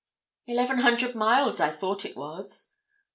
'Eleven hundred miles I thought it was.'